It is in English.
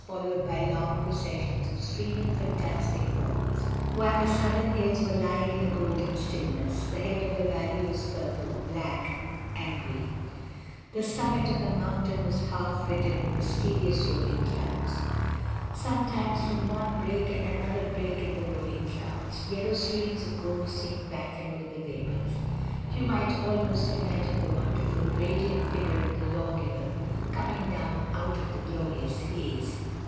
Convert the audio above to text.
DYMOND. followed by long processions of streaming fantastic forms; while the southern hills were lying in a golden stillness, the head of the valley was purple, black — angry. The summit of the mountain was half hidden in mysterious rolling douds. Sometimes from one break and another break in the rolling clouds, yellow streams of gold seemed battling with the vapours; you might almost imagine the wonder ful, radiant figure of the lawgiver coming down out of the glorious haze.